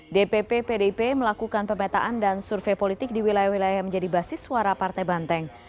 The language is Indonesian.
dpp pdip melakukan pemetaan dan survei politik di wilayah wilayah yang menjadi basis suara partai banteng